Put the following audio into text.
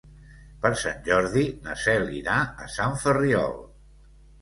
Per Sant Jordi na Cel irà a Sant Ferriol.